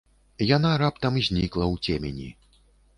Яна раптам знікла ў цемені.